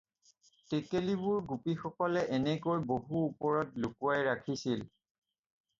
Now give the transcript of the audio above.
টেকেলিবোৰ পোগীসকলে এনেকৈ বহু ওপৰত লুকুৱাই ৰাখিছিল।